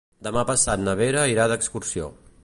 Demà passat na Vera irà d'excursió.